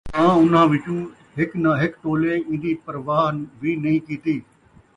تاں اُنہاں وِچوں ہِک نہ ہِک ٹولے اِیندی پرواہ وِی نھیں کِیتی